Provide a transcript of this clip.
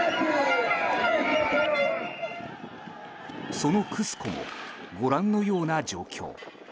そのクスコもご覧のような状況。